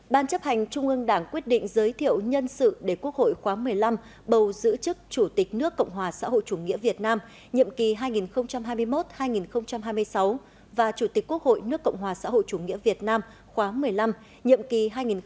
ban chấp hành trung ương đảng quyết định giới thiệu nhân sự để quốc hội khóa một mươi năm bầu giữ chức chủ tịch nước cộng hòa xã hội chủ nghĩa việt nam nhiệm kỳ hai nghìn hai mươi một hai nghìn hai mươi sáu và chủ tịch quốc hội nước cộng hòa xã hội chủ nghĩa việt nam khóa một mươi năm nhiệm kỳ hai nghìn hai mươi một hai nghìn hai mươi sáu